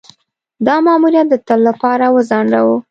دا ماموریت د تل لپاره وځنډاوه.